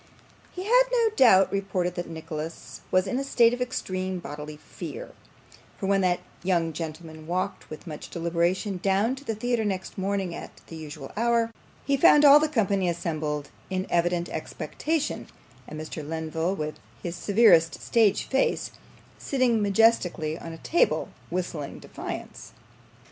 He had no doubt reported that Nicholas was in a state of extreme bodily fear; for when that young gentleman walked with much deliberation down to the theatre next morning at the usual hour, he found all the company assembled in evident expectation, and Mr. Lenville, with his severest stage face, sitting majestically on a table, whistling defiance.